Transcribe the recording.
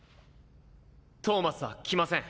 トーマスは来ません。